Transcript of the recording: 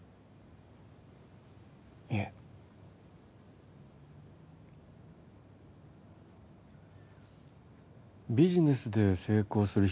いえビジネスで成功する